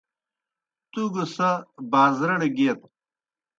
تُوْ گہ سہ بازرَڑ گیئت۔